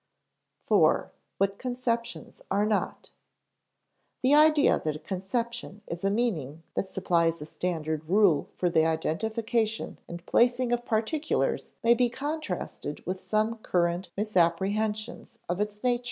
§ 4. What Conceptions are Not The idea that a conception is a meaning that supplies a standard rule for the identification and placing of particulars may be contrasted with some current misapprehensions of its nature.